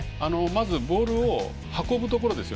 まずボールを運ぶところ。